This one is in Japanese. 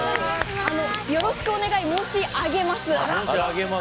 よろしくお願い申し揚げます。